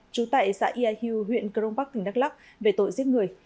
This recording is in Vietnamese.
chú tại xã ia hiu huyện cờ rông bắc tỉnh đắk lắk về tội giết người